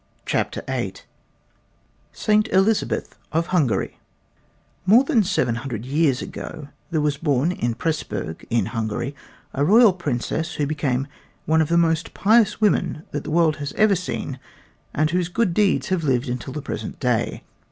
CHAPTER VIII SAINT ELIZABETH OF HUNGARY More than seven hundred years ago there was born at Presburg in Hungary, a royal princess, who became one of the most pious women that the world has ever seen and whose good deeds have lived until the present day.